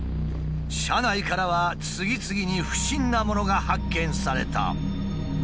車内からは次々に不審なものが発見された。